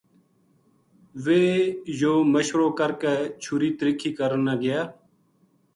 ویہ یوہ مشورو کر کے چھُری تِرِکھی کرن نا گیا